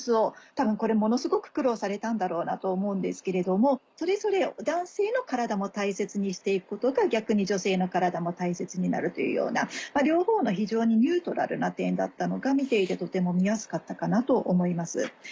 多分これものすごく苦労されたんだろうなと思うんですけれどもそれぞれ男性の体も大切にして行くことが逆に女性の体も大切になるというような両方の非常にニュートラルな点だったのが見ていてとても見やすかったかなと思います。